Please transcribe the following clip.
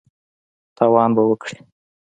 تاوان به وکړې !